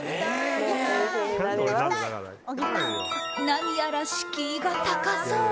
何やら敷居が高そう。